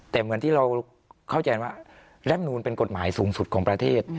แต่เหมือนที่เราเข้าใจว่ารับนูลเป็นกฎหมายสูงสุดของประเทศ